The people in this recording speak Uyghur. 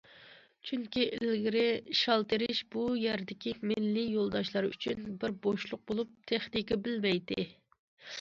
چۈنكى ئىلگىرى شال تېرىش بۇ يەردىكى مىللىي يولداشلار ئۈچۈن بىر بوشلۇق بولۇپ تېخنىكا بىلمەيتتى.